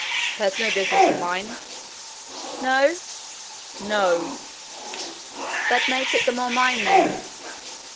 'That's no business of mine.' 'No?' 'No.' 'That makes it the more mine, then.'